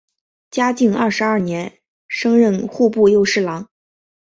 嘉靖二十二年升任户部右侍郎。